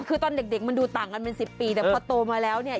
คือตอนเด็กมันดูต่างกันเป็น๑๐ปีแต่พอโตมาแล้วเนี่ย